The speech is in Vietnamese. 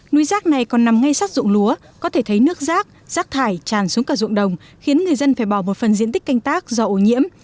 núi rác này còn nằm ngay sát ruộng lúa có thể thấy nước rác rác thải tràn xuống cả ruộng đồng khiến người dân phải bỏ một phần diện tích canh tác do ổ nhiễm